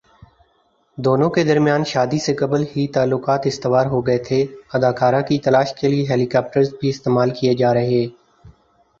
دونوں کے درمیان شادی سے قبل ہی تعلقات استوار ہوگئے تھےاداکارہ کی تلاش کے لیے ہیلی کاپٹرز بھی استعمال کیے جا رہے